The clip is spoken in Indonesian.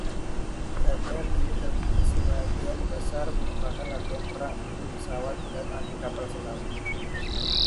Latihan ini terbukti sebagian besar merupakan latihan perang antipesawat dan antikapal selam.